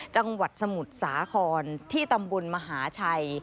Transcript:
จังหวัดสมุทรสาครที่ตำบลมหาชัย